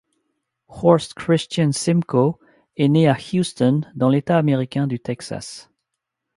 Horst Christian Simco est né le à Houston, dans l'État américain du Texas.